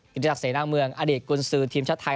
กิจศักเสนาเมืองอดีตกุญสือทีมชาติไทย